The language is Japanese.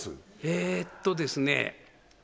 えっとですね